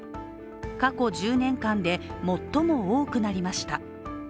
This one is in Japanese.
過去１０年間で最も多くなりました。